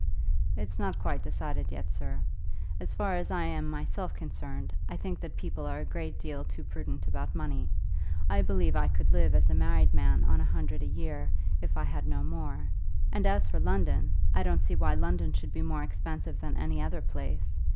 "It's not quite decided yet, sir. As far as I am myself concerned, I think that people are a great deal too prudent about money. I believe I could live as a married man on a hundred a year, if I had no more; and as for London, I don't see why London should be more expensive than any other place.